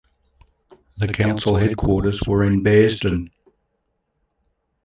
The council headquarters were in Bearsden.